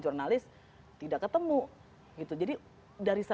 jurnalis tidak ketemu gitu jadi dari